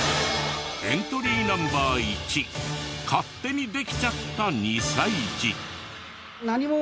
エントリーナンバー１勝手にできちゃった２歳児。